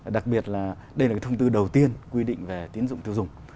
đặc biệt là đây là thông tư đầu tiên quy định về tín dụng tiêu dùng